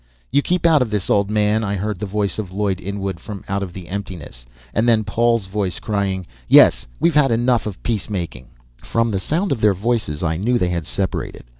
"You keep out of this, old man!" I heard the voice of Lloyd Inwood from out of the emptiness. And then Paul's voice crying, "Yes, we've had enough of peacemaking!" From the sound of their voices I knew they had separated.